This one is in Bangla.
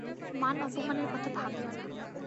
মান অপমানের কথা ভাবিও না!